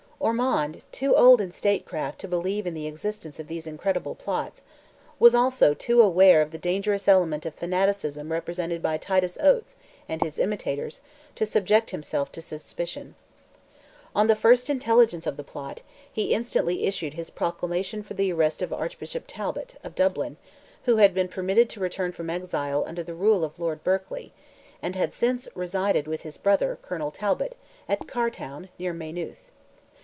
Ormond, too old in statecraft to believe in the existence of these incredible plots, was also too well aware of the dangerous element of fanaticism represented by Titus Oates, and his imitators, to subject himself to suspicion. On the first intelligence of the plot, he instantly issued his proclamation for the arrest of Archbishop Talbot, of Dublin, who had been permitted to return from exile under the rule of Lord Berkely, and had since resided with his brother, Colonel Talbot, at Cartown, near Maynooth.